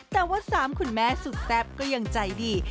แต่ว่า๓คุณแม่สุดแซ่บก็ยังใจดี